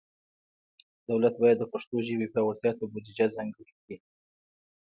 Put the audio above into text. دولت باید د پښتو ژبې پیاوړتیا ته بودیجه ځانګړي کړي.